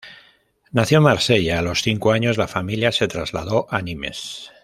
Nació en Marsella, a los cinco años la familia se trasladó a Nimes.